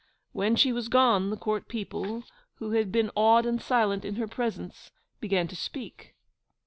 When she was gone, the Court people, who had been awed and silent in her presence, began to speak.